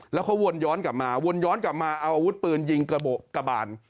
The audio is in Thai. แล้วเขาวนย้อนกลับมาวนย้อนกลับมาเอาอาวุธปืนยิงกระบาน